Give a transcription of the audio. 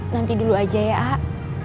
nanti dulu aja ya ak